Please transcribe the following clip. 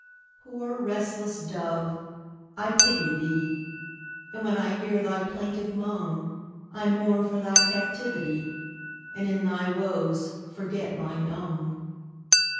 Poor restless dove, I pity thee; And when I hear thy plaintive moan, I mourn for thy captivity, And in thy woes forget mine own.